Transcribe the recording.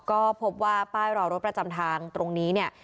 ก็พบว่าป้ายรอรถประจำทางตรงนี้เนี่ย